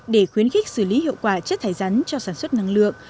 để khuyến khích xử lý hiệu quả chất thải rắn cho sản xuất năng lượng